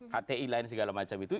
hti lain segala macam itu